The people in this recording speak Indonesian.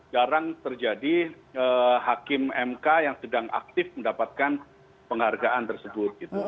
jarang terjadi hakim mk yang sedang aktif mendapatkan penghargaan tersebut